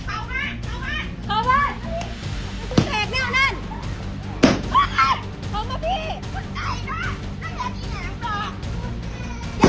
โอ๊ะเอารูน้ำลูกมา